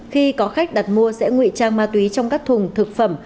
khi có khách đặt mua sẽ ngụy trang ma túy trong các thùng thực phẩm